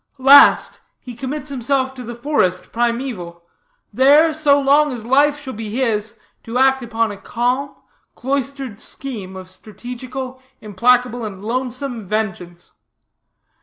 Last, he commits himself to the forest primeval; there, so long as life shall be his, to act upon a calm, cloistered scheme of strategical, implacable, and lonesome vengeance.